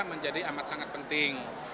menjadi amat sangat penting